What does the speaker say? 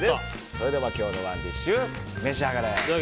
それでは今日のＯｎｅＤｉｓｈ召し上がれ。